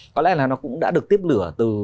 có lẽ là nó cũng đã được tiếp lửa từ